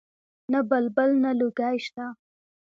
نه بلبل نه لولکۍ شته